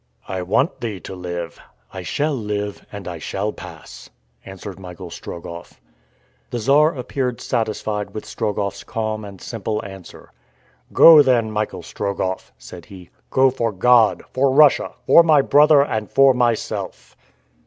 "I want thee to live." "I shall live, and I shall pass," answered Michael Strogoff. The Czar appeared satisfied with Strogoff's calm and simple answer. "Go then, Michael Strogoff," said he, "go for God, for Russia, for my brother, and for myself!"